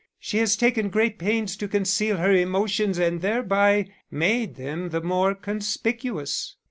She has taken great pains to conceal her emotions and thereby made them the more conspicuous.